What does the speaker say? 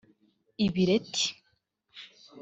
ibireti